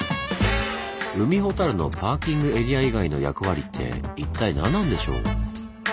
海ほたるのパーキングエリア以外の役割って一体何なんでしょう？